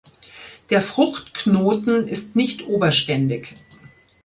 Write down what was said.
Der Fruchtknoten ist nicht oberständig.